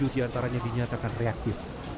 dua puluh tujuh diantaranya dinyatakan reaktif